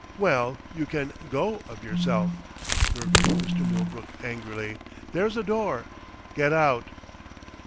"Well, you can go of yourself!" gurgled Mr. Millbrook angrily. "There's the door. Get out!"